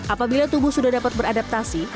apabila tubuh sudah dapat beradaptasi